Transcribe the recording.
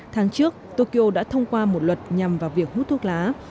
tháng trước tokyo đã thông qua một luật nhằm vào việc hút thuốc lá